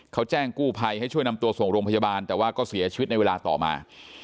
เขาแจ้งกู้ภัยให้ช่วยนำตัวส่งโรงพยาบาลแต่ว่าก็เสียชีวิตในเวลาต่อมา